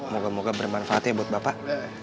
moga moga bermanfaatnya buat bapak